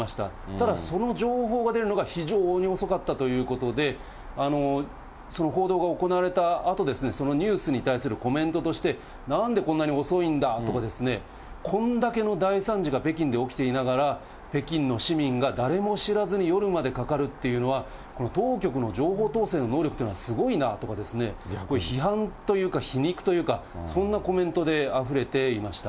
ただ、その情報が出るのが非常に遅かったということで、その報道が行われたあと、そのニュースに対するコメントとして、なんでこんなに遅いんだとかですね、こんだけの大惨事が北京で起きていながら、北京の市民が誰も知らずに夜までかかるというのは、当局の情報統制の能力っていうのはすごいなぁとかですね、批判というか皮肉というか、そんなコメントであふれていました。